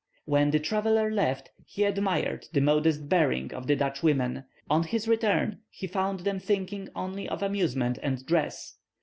When the traveller left he admired the modest bearing of the Dutch women; on his return he found them thinking only of amusement and dress.